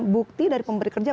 bukti dari pemberi kerja